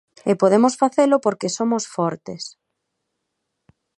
E podemos facelo porque somos fortes.